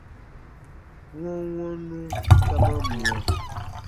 Wɔnwɔnnu ta man mwa.